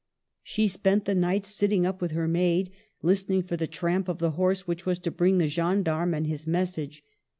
She spent the nights sitting up with her maid, listening for the tramp of the horse which was to bring the gendarme and his message.